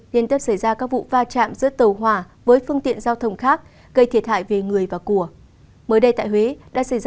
liên tập xảy ra các vụ va chạm giữa tàu hỏa với phương tiện giao thông khác